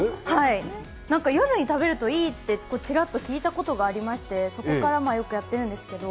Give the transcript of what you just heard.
なんか夜に食べるといいって、ちらっと聞いたことがありまして、そこからよくやってるんですけど。